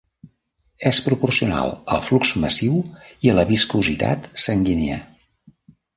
És proporcional al flux massiu i a la viscositat sanguínia.